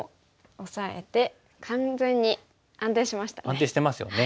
安定してますよね。